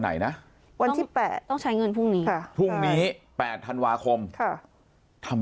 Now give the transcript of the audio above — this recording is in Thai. ใหม่นะวันที่๘ต้องใช้เงินพรุ่งนี้พรุ่งนี้๘ธันวาคมทำ